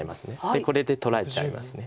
これで取られちゃいます。